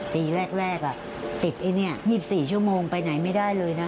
ปีแรกติดไอ้นี่๒๔ชั่วโมงไปไหนไม่ได้เลยนะ